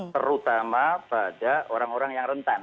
terutama pada orang orang yang rentan